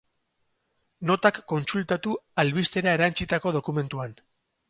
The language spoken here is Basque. Notak kontsultatu albistera erantsitako dokumentuan.